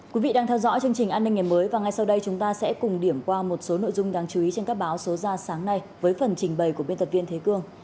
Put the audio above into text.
quý vị đang theo dõi chương trình an ninh ngày mới và ngay sau đây chúng ta sẽ cùng điểm qua một số nội dung đáng chú ý trên các báo số ra sáng nay với phần trình bày của biên tập viên thế cương